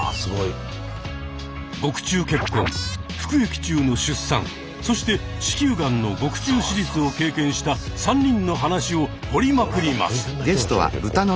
獄中結婚服役中の出産そして子宮がんの獄中手術を経験した３人の話を掘りまくります！